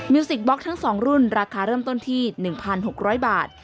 สิกบล็อกทั้ง๒รุ่นราคาเริ่มต้นที่๑๖๐๐บาท